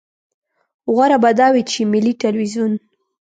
غوره به دا وي چې ملي ټلویزیون.